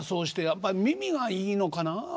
やっぱ耳がいいのかなあ。